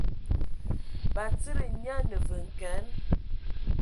Batsidi nya a ne vǝ n kǝan.